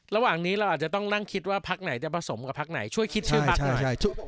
ระหว่างนี้เราอาจจะต้องนั่งคิดว่าพักไหนจะผสมกับพักไหนช่วยคิดชื่อพักหน่อย